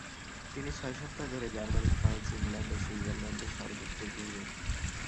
তিনি ছয় সপ্তাহ ধরে জার্মানী, ফ্রান্স, ইংলণ্ড ও সুইজরলণ্ডের সর্বত্র ঘুরবেন।